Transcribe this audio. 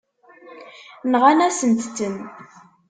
Nɣan-asent-ten.